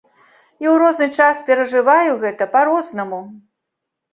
І ў розны час перажываю гэта па-рознаму.